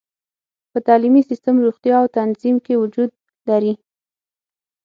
په تعلیمي سیستم، روغتیا او تنظیم کې وجود لري.